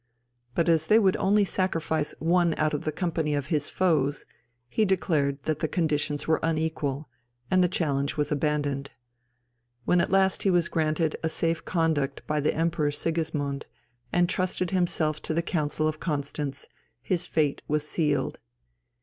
But as they would only sacrifice one out of the company of his foes, he declared that the conditions were unequal, and the challenge was abandoned. When at last he was granted a safe conduct by the Emperor Sigismund, and trusted himself to the Council of Constance, his fate was sealed.